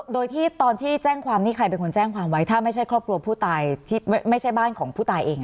โดยที่ตอนที่แจ้งความนี่ใครเป็นคนแจ้งความไว้ถ้าไม่ใช่ครอบครัวผู้ตายที่ไม่ใช่บ้านของผู้ตายเอง